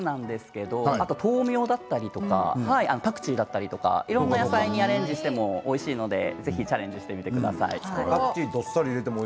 豆苗だったりパクチーだったりいろんな野菜にアレンジしてもおいしいのでぜひチャレンジしてみてください。